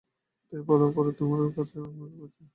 তাই ভালো, অপরাধ তোমরাও করেছ আমিও করেছি।